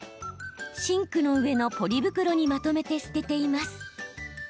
シンクの上のポリ袋にまとめて捨てています。